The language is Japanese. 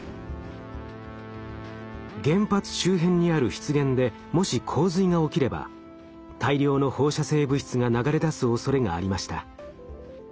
原発周辺にある湿原でもし洪水が起きれば大量の放射性物質が流れ出すおそれがありました。